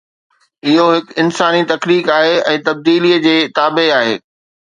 اهو هڪ انساني تخليق آهي ۽ تبديلي جي تابع آهي.